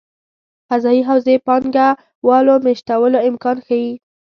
قضايي حوزې پانګه والو مېشتولو امکان ښيي.